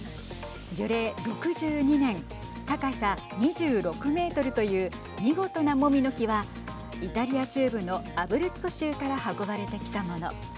樹齢６２年高さ２６メートルという見事なもみの木はイタリア中部のアブルッツォ州から運ばれてきたもの。